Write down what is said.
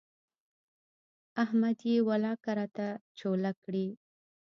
احمد يې ولاکه راته چوله کړي.